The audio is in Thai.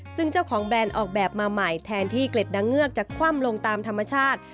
ซึ่งเจ้าของแบรนด์ออกแบบมาใหม่แทนที่เกล็ดดังเงือกจะคว่ำลงตามธรรมชาติ